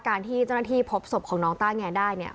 การที่เจ้าหน้าที่พบศพของน้องต้าแงได้เนี่ย